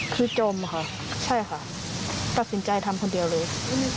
คือจมค่ะใช่ค่ะตัดสินใจทำคนเดียวเลย